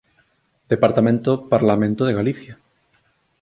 Departamento Parlamento de Galicia